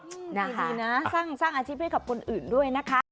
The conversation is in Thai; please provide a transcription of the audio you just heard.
ดีนะสร้างอาชีพให้กับคนอื่นด้วยนะคะ